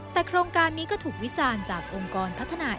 แต่โครงการนี้ก็ถูกวิจารณ์จากองค์กรพัฒนา